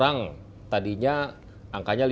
taatnya jadi jika kita abgeordjun fpk